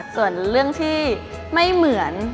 ส่วนเรื่องที่ไม่เหมือน